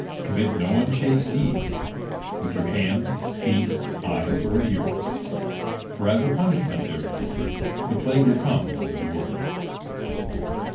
Commit no unchaste deeds, with your hands, feet, eyes, or ears, for as a punishment therefore the plague will come over the world."